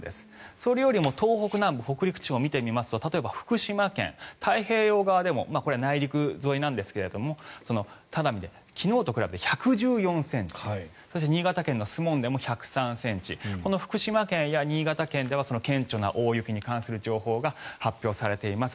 それよりも東北南部、北陸地方を見てみますと例えば福島県太平洋側でもこれは内陸沿いなんですが只見で昨日と比べて１１４ｃｍそして新潟県の守門でも１０３ｃｍこの福島県や新潟県では顕著な大雪に関する気象情報が発表されています。